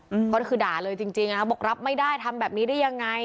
อืมก็คือด่าเลยจริงจริงอ่ะบอกรับไม่ได้ทำแบบนี้ได้ยังไง